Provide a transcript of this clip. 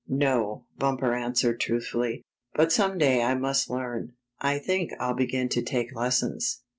" "No," Bumper answered truthfully, "but some day I must learn. I think I'll begin to take lessons."